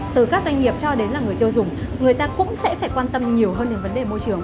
từ các doanh nghiệp cho đến là người tiêu dùng người ta cũng sẽ phải quan tâm nhiều hơn đến vấn đề môi trường